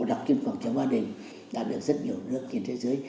đã được rất nhiều nước trên thế giới